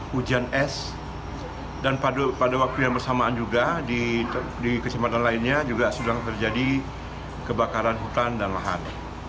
hujan es dan pada waktu yang bersamaan juga di kesempatan lainnya juga sudah terjadi kebakaran hutan dan lahan